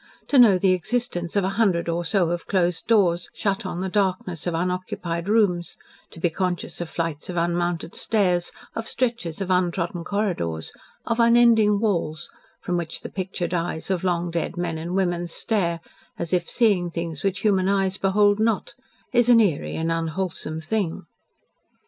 To know the existence of a hundred or so of closed doors shut on the darkness of unoccupied rooms; to be conscious of flights of unmounted stairs, of stretches of untrodden corridors, of unending walls, from which the pictured eyes of long dead men and women stare, as if seeing things which human eyes behold not is an eerie and unwholesome thing.